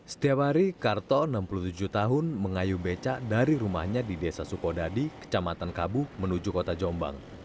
setiap hari karto enam puluh tujuh tahun mengayu beca dari rumahnya di desa sukodadi kecamatan kabu menuju kota jombang